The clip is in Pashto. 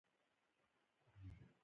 که امتیاز ورکړل شي، سمدستي خوشاله کېږي.